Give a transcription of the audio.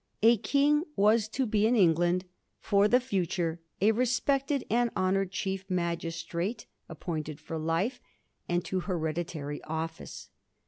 A King was to be in England for the future a respected and honoured chief magistrate appointed for life and to hereditary office.